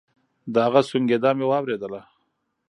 د هغه سونګېدا مې واورېد.